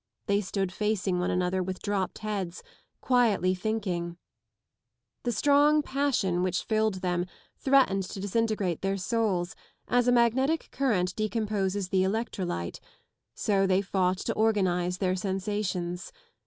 They stood facing one another with dropped heads, quietly thinking, The strong passion which filled them threatened to disintegrate their souls as a magnetic current decomposes the electrolyte, so they fought to organise their sensations.